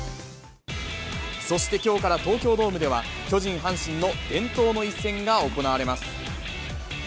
そしてきょうから東京ドームでは、巨人・阪神の伝統の一戦が行われます。